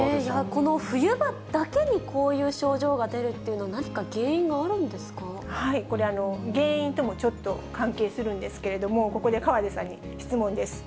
この冬場だけにこういう症状が出るっていうの、これ、原因ともちょっと関係するんですけれども、ここで河出さんに質問です。